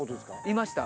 いました。